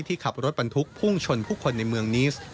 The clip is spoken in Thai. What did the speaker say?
ขับรถบรรทุกพุ่งชนผู้คนในเมืองนิส